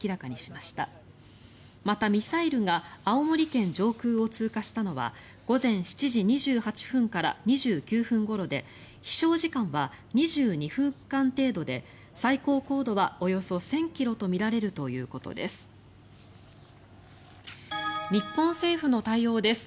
また、ミサイルが青森県上空を通過したのは午前７時２８分から２９分ごろで飛翔時間は２２分間程度で最高高度はおよそ１０００ｋｍとみられるということです。